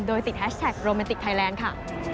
โดยติดแฮชแท็กโรแมนติกไทยแลนด์ค่ะ